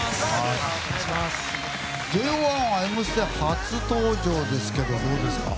ＪＯ１は「Ｍステ」初登場ですがどうですか？